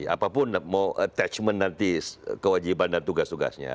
apapun mau attachment nanti kewajiban dan tugas tugasnya